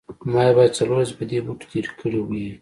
ما باید څلور ورځې په دې بوټو تیرې کړې وي